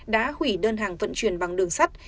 đã hủy đơn hàng vận chuyển bằng đường sắt